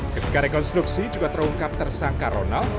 ketika rekonstruksi juga terungkap tersangka ronald